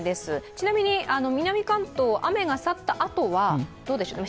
ちなみに南関東は雨が去ったあとはどうでしょう。